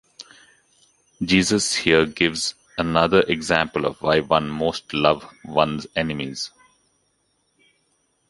Jesus here gives another example of why one most love one's enemies.